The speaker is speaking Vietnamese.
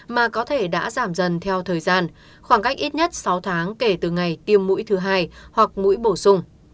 mà có thể đã giảm dần theo thời gian khoảng cách ít nhất sáu tháng kể từ ngày tiêm mũi thứ hai hoặc mũi bổ sung